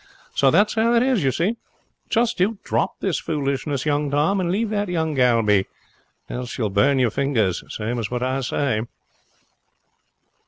So that's how it is, you see. Just you drop this foolishness, young Tom, and leave that young gal be, else you'll burn your fingers, same as what I say.'